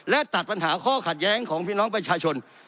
และตัดปัญหาข้อขัดแย้งของพี่น้องประชาชน